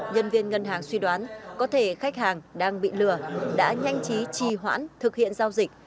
nhân viên ngân hàng suy đoán có thể khách hàng đang bị lừa đã nhanh chí trì hoãn thực hiện giao dịch